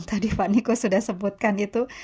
tadi pak niko sudah sebutkan itu